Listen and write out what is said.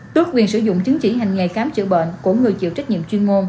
tuyết quyền sử dụng chứng chỉ hành nghề khám chữa bệnh của người chịu trách nhiệm chuyên ngôn